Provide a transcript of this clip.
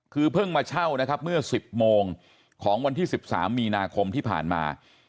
คือเพิ่งมาเช่านะครับเมื่อ๑๐โมงของวันที่๑๓มีนาคมที่ผ่านมา